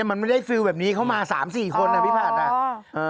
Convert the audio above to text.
อ้าวมันไม่ได้ซื้อแบบนี้เข้ามา๓๔คนอ่ะพี่ภาษา